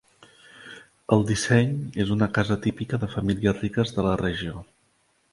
El disseny és una casa típica de famílies riques de la regió.